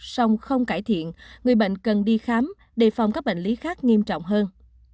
song không cải thiện người bệnh cần đi khám đề phòng các bệnh lý khác nghiêm trọng hơn